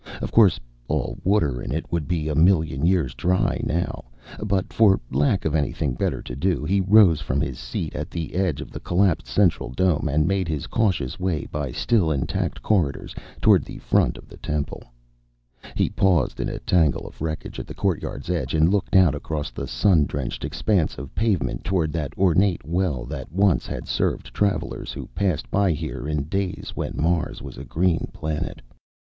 Of course all water in it would be a million years dry now, but for lack of anything better to do he rose from his seat at the edge of the collapsed central dome and made his cautious way by still intact corridors toward the front of the temple. He paused in a tangle of wreckage at the courtyard's edge and looked out across the sun drenched expanse of pavement toward that ornate well that once had served travelers who passed by here in the days when Mars was a green planet.